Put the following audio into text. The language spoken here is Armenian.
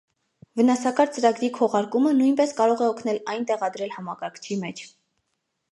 Վնասակար ծրագրի քողարկումը նույնպես կարող է օգնել այն տեղադրել համակարգչի մեջ։